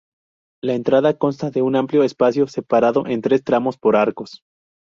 La entrada consta de un amplio espacio separado en tres tramos por arcos.